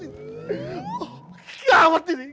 oh kawat ini